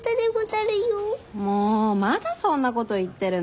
もうまだそんなこと言ってるの？